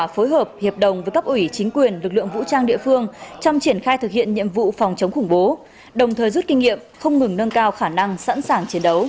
viên tập phòng chống quân